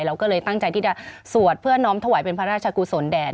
เราก็เลยตั้งใจที่จะสวดเพื่อน้อมถวายเป็นพระราชกุศลแดด